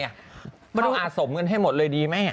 แล้วอาสมเงินให้หมดเลยดีไหม